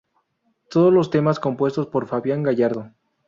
Todos los temas compuestos por Fabián Gallardo.